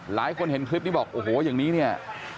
หลายคนเห็นคลิปนี้บอกโอ้โหอย่างนี้เนี่ย